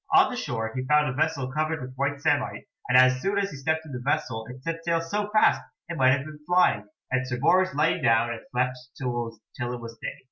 On the shore he found a vessel covered with white samite, and as soon as he stepped in the vessel it set sail so fast it might have been flying, and Sir Bors lay down and slept till it was day.